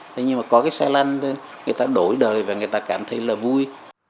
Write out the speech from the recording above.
thế nhưng mà có cái xe lăn thì người ta đổi đời và người ta cảm thấy là vui